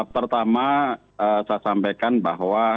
pertama saya sampaikan bahwa